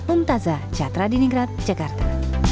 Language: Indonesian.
umtaza jatradiningrat jakarta